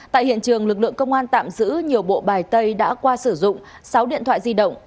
tại hiện trường lực lượng công an tạm giữ nhiều bộ bài tây đã qua sử dụng sáu điện thoại di động